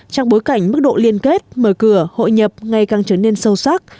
trong bối cảnh mức độ liên kết mở cửa hội nhập ngày càng trở nên sâu sắc